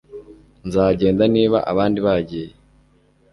Nzagenda niba abandi bagiye